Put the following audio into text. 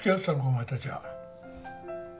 お前たちは。